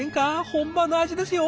本場の味ですよ。